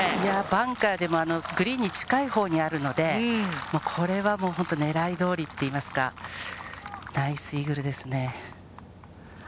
バンカーでもグリーンに近いほうにあるので、もうこれはもう、本当、ねらいどおりって言いますか、ナイスイーグルですね。